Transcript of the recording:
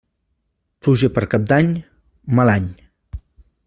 Pluja per Cap d'any, mal any.